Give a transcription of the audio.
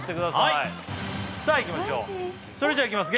はいさあいきましょうそれじゃいきます